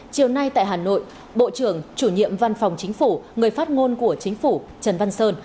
chiều nay tại hà nội bộ trưởng chủ nhiệm văn phòng chính phủ người phát ngôn của chính phủ trần văn sơn